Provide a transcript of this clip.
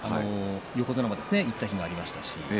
横綱も行った日もありました。